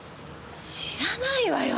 知らないわよ